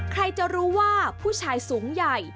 ใครจะรู้ว่าผู้ชายสูงใหญ่